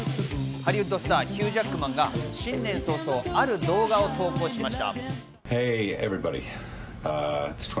ハリウッドスター、ヒュー・ジャックマンが新年早々ある動画を投稿しました。